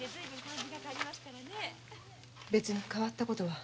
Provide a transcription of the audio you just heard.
別に変わった事は。